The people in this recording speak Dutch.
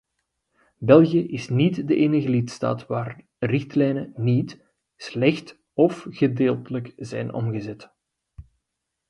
België is niet de enige lidstaat waar richtlijnen niet, slecht of gedeeltelijk zijn omgezet.